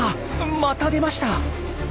また出ました！